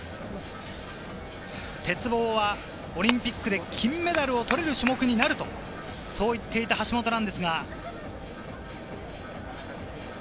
鉄棒はオリンピックで金メダルを取れる種目になるとそう言っていた橋本なんですが。